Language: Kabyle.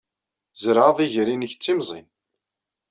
Tzerɛeḍ iger-nnek d timẓin.